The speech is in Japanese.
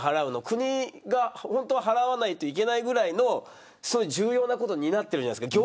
国が払わないといけないくらいの重要なこと担ってるじゃないですか。